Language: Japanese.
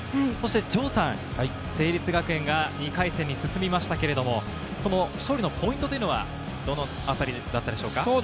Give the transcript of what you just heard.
城さん、成立学園が２回戦に進みましたけれども、この勝利のポイントはどのあたりだったでしょうか？